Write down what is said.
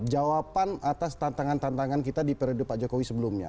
jawaban atas tantangan tantangan kita di periode pak jokowi sebelumnya